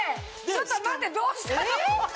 ちょっと待ってどうしたのこれ。